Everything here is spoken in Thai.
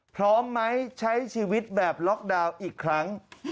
พร้อมไหมใช้ชีวิตแบบล็อกดาวน์อีกครั้ง